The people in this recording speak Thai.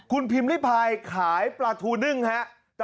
คุณพิมพ์นี่พายขายประทูนึงนะครับ